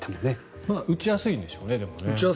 打ちやすいんでしょうね。